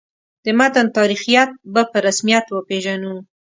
د متن تاریخیت به په رسمیت وپېژنو.